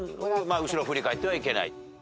後ろ振り返ってはいけない。